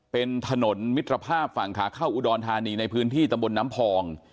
เป็นถนนมิตรภาพฝั่งขาเข้าอุดรธานีในพื้นที่ตำบลน้ำพอง